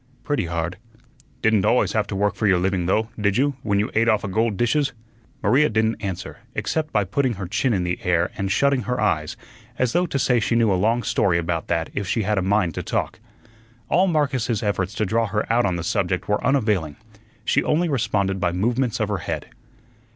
"Pretty hard." "Didunt always have to work for your living, though, did you, when you ate offa gold dishes?" Maria didn't answer, except by putting her chin in the air and shutting her eyes, as though to say she knew a long story about that if she had a mind to talk. All Marcus's efforts to draw her out on the subject were unavailing. She only responded by movements of her head.